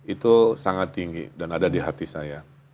itu sangat tinggi dan ada di hati saya